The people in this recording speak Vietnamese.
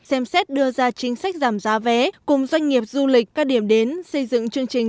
xem xét đưa ra chính sách giảm giá vé cùng doanh nghiệp du lịch các điểm đến xây dựng chương trình